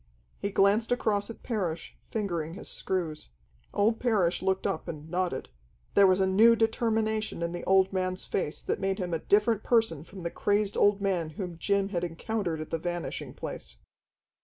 He glanced across at Parrish, fingering his screws. Old Parrish looked up and nodded. There was a new determination in the old man's face that made him a different person from the crazed old man whom Jim had encountered at the Vanishing Place.